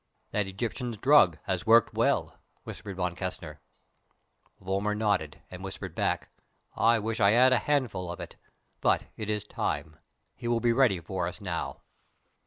"That Egyptian's drug has worked well," whispered Von Kessner. Vollmar nodded, and whispered back: "I wish I had a handful of it. But it is time. He will be ready for us now."